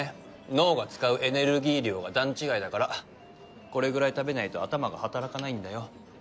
脳が使うエネルギー量が段違いだからこれぐらい食べないと頭が働かないんだよ。